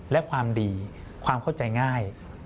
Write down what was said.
และความดีความเข้าใจง่าย